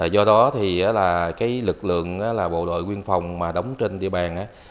do đó lực lượng bộ đội quyên phòng đóng trên địa bàn